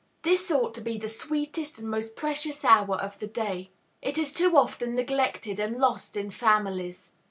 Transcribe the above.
This ought to be the sweetest and most precious hour of the day. It is too often neglected and lost in families.